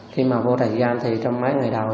khi mà vô thời gian thì trong mấy ngày đầu